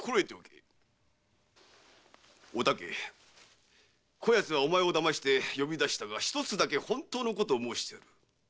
お竹こやつはお前を騙して呼び出したがひとつだけ本当のことを申しておる。